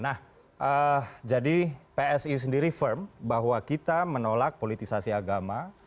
nah jadi psi sendiri firm bahwa kita menolak politisasi agama